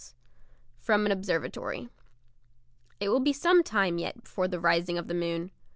FROM AN OBSERVATORY It will be some time yet before the rising of the moon.